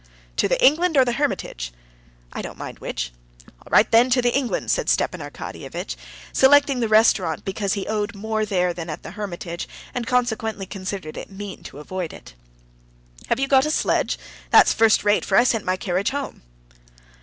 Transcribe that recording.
"To the England or the Hermitage?" "I don't mind which." "All right, then, the England," said Stepan Arkadyevitch, selecting that restaurant because he owed more there than at the Hermitage, and consequently considered it mean to avoid it. "Have you got a sledge? That's first rate, for I sent my carriage home."